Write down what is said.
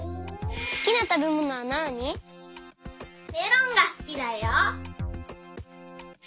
メロンがすきだよ。